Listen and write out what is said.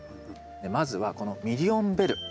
まずはこのミリオンベルですね。